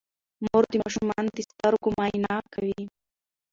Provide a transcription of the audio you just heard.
مور د ماشومانو د سترګو معاینه کوي.